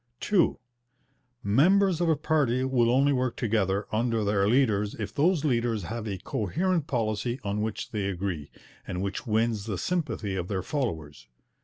(2) Members of a party will only work together under their leaders if those leaders have a coherent policy on which they agree, and which wins the sympathy of their followers.